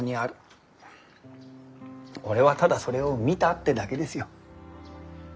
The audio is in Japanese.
俺はただそれを見たってだけですよ。